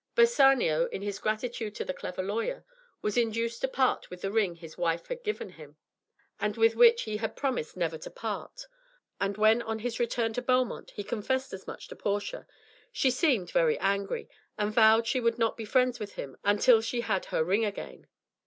Bassanio, in his gratitude to the clever lawyer, was induced to part with the ring his wife had given him, and with which he had promised never to part, and when on his return to Belmont he confessed as much to Portia, she seemed very angry, and vowed she would not be friends with him until she had her ring again.